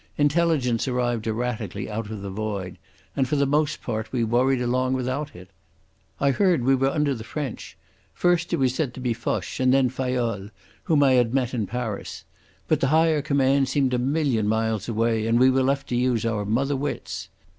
Intelligence arrived erratically out of the void, and for the most part we worried along without it. I heard we were under the French—first it was said to be Foch, and then Fayolle, whom I had met in Paris. But the higher command seemed a million miles away, and we were left to use our mother wits.